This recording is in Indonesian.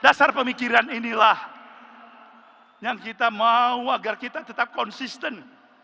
dasar pemikiran inilah yang kita mau agar kita tetap konsisten